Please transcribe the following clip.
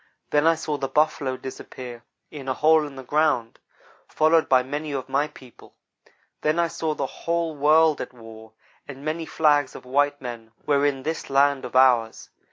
Then I saw the Buffalo disappear in a hole in the ground, followed by many of my people. Then I saw the whole world at war, and many flags of white men were in this land of ours.